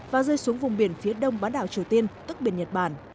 và rơi xuống vùng biển phía đông bán đảo triều tiên tức biển nhật bản